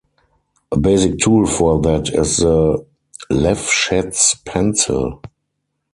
A basic tool for that is the Lefschetz pencil.